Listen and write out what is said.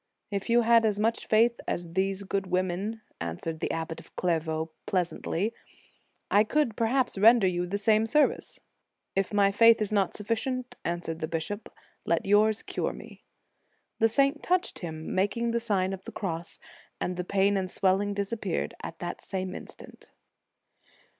" If you had as much faith as these good women," answered the Abbot of Clairvaux, pleasantly, " I could, perhaps, render you the same service." "If my faith is not sufficient," answered the bishop, "let yours cure me." The saint touched him, making the Sign of the Cross, and the pain and swelling" disap peared at the same instant.